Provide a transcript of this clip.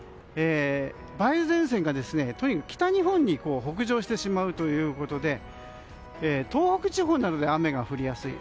梅雨前線が北日本に北上してしまうということで東北地方などで雨が降りやすい。